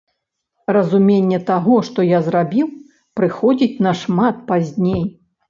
Разуменне таго, што я зрабіў, прыходзіць нашмат пазней.